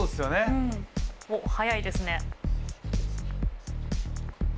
うん。おっ早いですね。